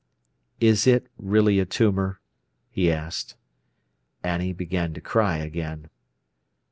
"Is it really a tumour?" he asked. Annie began to cry again.